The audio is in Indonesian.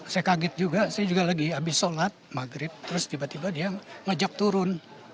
saya kaget juga saya juga lagi habis sholat maghrib terus tiba tiba dia ngajak turun